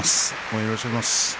よろしくお願いします。